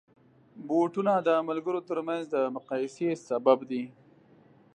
بوټونه د ملګرو ترمنځ د مقایسې سبب دي.